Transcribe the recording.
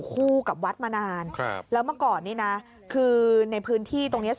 ทางผู้ชมพอเห็นแบบนี้นะทางผู้ชมพอเห็นแบบนี้นะ